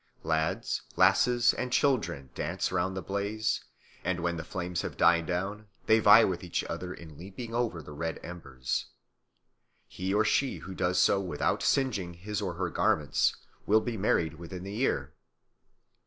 Lads, lasses, and children dance round the blaze, and when the flames have died down they vie with each other in leaping over the red embers. He or she who does so without singeing his or her garments will be married within the year.